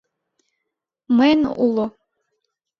Мыйын уло...